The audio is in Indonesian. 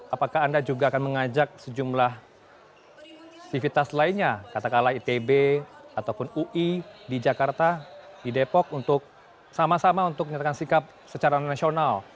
apakah anda juga akan mengajak sejumlah sivitas lainnya katakanlah itb ataupun ui di jakarta di depok untuk sama sama untuk menyatakan sikap secara nasional